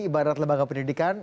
ibarat lembaga pendidikan